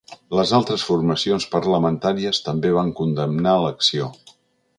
Les altres formacions parlamentàries també van condemnar l’acció.